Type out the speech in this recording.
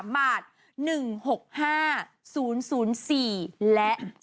๑๖๕๐๔๓บาท๑๖๕๐๐๔และ๓